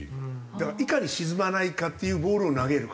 だからいかに沈まないかっていうボールを投げるかって事が。